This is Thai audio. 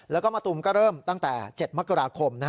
แล้วก็มะตูมก็เริ่มตั้งแต่๗มกราคม